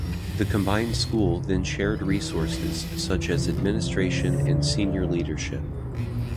The combined school then shared resources such as administration and senior leadership.